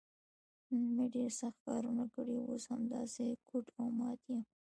نن مې ډېر سخت کارونه کړي، اوس همداسې ګوډ او مات یم.